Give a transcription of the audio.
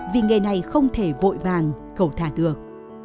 vì nghề này không thể vội vàng cẩu thả được